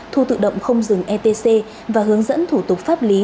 thu tự động không dừng etc và hướng dẫn thủ tục phát triển